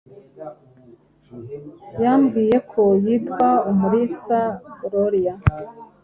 Yambwiye ko yitwa Umulisa Gloria